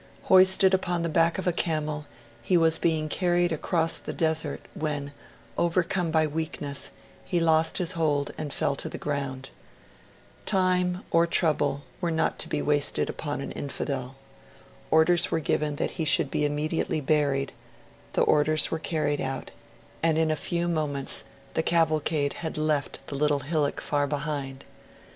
Hoisted upon the back of a camel, he was being carried across the desert, when, overcome by weakness, he lost his hold, and fell to the ground. Time or trouble were not to be wasted upon an infidel. Orders were given that he should be immediately buried; the orders were carried out; and in a few moments the cavalcade had left the little hillock far behind.